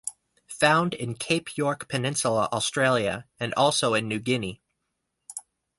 Found in Cape York Peninsula Australia and also in New Guinea.